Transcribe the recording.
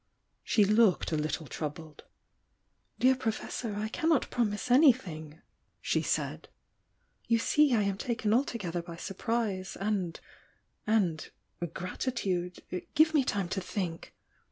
She looked a little troubled. "Dear Professor, I cannot promise anything!" she said. "You see I am taken altogether by surprise — and — and gratitude — give me time to think!"